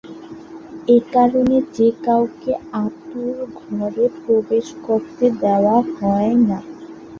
এ কারণে যে-কাউকে অাঁতুড় ঘরে প্রবেশ করতে দেওয়া হয় না।